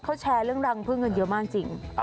เขาแชร์เรื่องรังพึ่งกันเยอะมากจริง